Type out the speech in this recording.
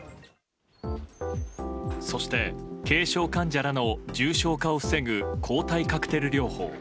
そして軽症患者らの重症化を防ぐ抗体カクテル療法。